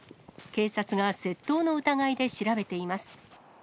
警察が窃盗の疑いで調べています。